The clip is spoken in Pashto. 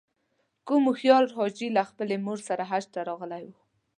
کوم هوښیار حاجي له خپلې مور سره حج ته راغلی و.